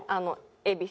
恵比寿！？